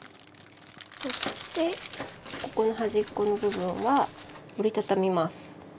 そしてここの端っこの部分は折り畳みます。